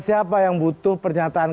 siapa yang butuh pernyataan